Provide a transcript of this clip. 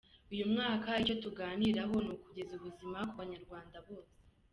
Uyu mwaka, icyo tuzaganiraho ni ukugeza ubuzima ku banyarwanda bose.